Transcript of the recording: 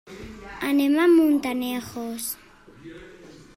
Anem a Montanejos.